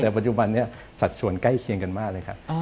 แต่ปัจจุบันนี้สัดส่วนใกล้เคียงกันมากเลยครับ